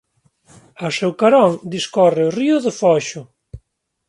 Ao seu carón discorre o río do Foxo.